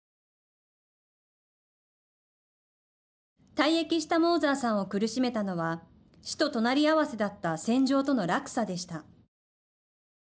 退役したモーザーさんを苦しめたのは死と隣り合わせだった戦場との落差でした。